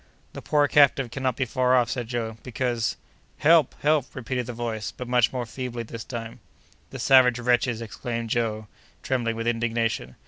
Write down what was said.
"The poor captive cannot be far off," said Joe, "because—" "Help! help!" repeated the voice, but much more feebly this time. "The savage wretches!" exclaimed Joe, trembling with indignation.